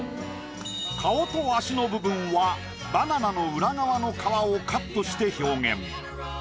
顔と足の部分はバナナの裏側の皮をカットして表現。